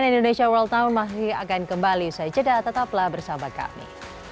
cnn indonesia worldtown masih akan kembali saya ceda tetaplah bersama kami